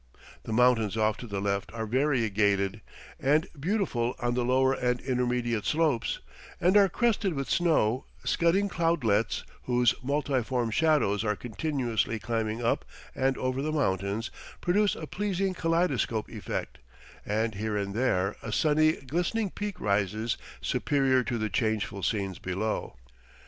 The mountains off to the left are variegated and beautiful on the lower and intermediate slopes, and are crested with snow; scudding cloudlets, whose multiform shadows are continually climbing up and over the mountains, produce a pleasing kaleidoscopic effect, and here and there a sunny, glistening peak rises superior to the changeful scenes below.